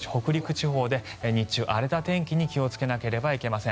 地方で日中荒れた天気に気をつけなければいけません。